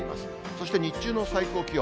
そして、日中の最高気温。